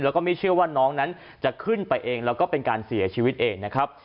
แล้วก็ไม่เชื่อว่าน้องนั้นจะขึ้นไปเองแล้วก็เป็นการเสียชีวิตเองนะครับ